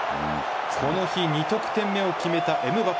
この日２得点目を決めたエムバペ。